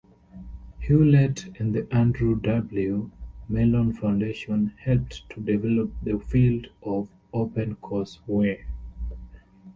Hewlett and the Andrew W. Mellon Foundation helped to develop the field of OpenCourseWare.